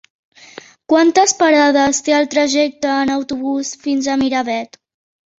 Quantes parades té el trajecte en autobús fins a Miravet?